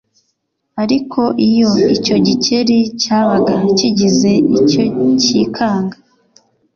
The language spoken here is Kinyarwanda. ariko iyo icyo gikeri cyabaga kigize icyo cyikanga